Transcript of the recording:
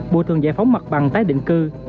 bộ thường giải phóng mặt bằng tái định cư